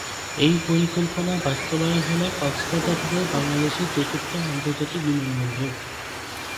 এই পরিকল্পনা বাস্তবায়ন হলে কক্সবাজার হবে বাংলাদেশের চতুর্থ আন্তর্জাতিক বিমানবন্দর।